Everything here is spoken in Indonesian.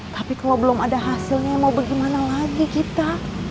tapi kalau belum ada hasilnya mau bagaimana lagi kita